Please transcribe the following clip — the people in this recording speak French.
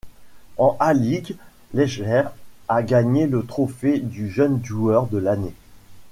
En A-League, Leijer a gagné le trophée du jeune joueur de l'année.